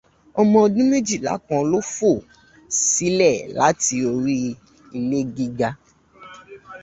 Ọmọ ọdún méjìlá kan ló fò sílẹ̀ láti orí ilé gíga